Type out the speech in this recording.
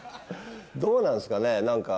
どうなんですかね何か。